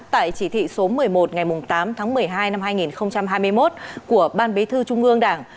tại chỉ thị số một mươi một ngày tám tháng một mươi hai năm hai nghìn hai mươi một của ban bí thư trung ương đảng